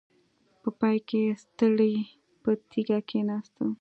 په پای کې ستړې په تيږه کېناسته.